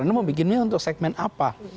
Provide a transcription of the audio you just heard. anda mau bikinnya untuk segmen apa